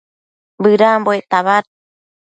bëdambuec tabad